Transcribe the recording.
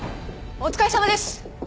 お疲れさまです！